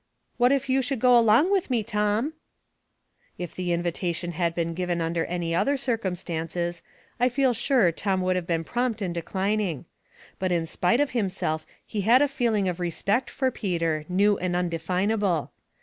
What if you should go along with me, Tom ?" If the invitation had been given under any other circumstances, I feel sure Tom would have been prompt in declining; but in spite of him self he had a feeling of respect for Peter, new and undefinable.